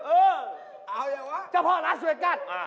เอ้ายังไงวะ